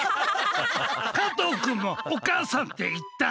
加藤くんも「お母さん」って言った！